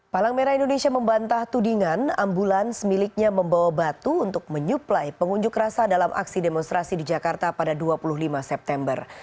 palang merah indonesia membantah tudingan ambulans miliknya membawa batu untuk menyuplai pengunjuk rasa dalam aksi demonstrasi di jakarta pada dua puluh lima september